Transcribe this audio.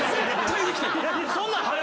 そんなん。